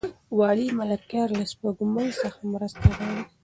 ولې ملکیار له سپوږمۍ څخه مرسته غواړي؟